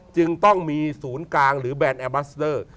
จึงต้องมีศูนย์กลางหรือแบรนดแอร์บัสเดอร์